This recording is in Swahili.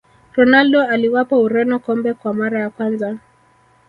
ronaldo aliwapa ureno kombe kwa mara ya kwanza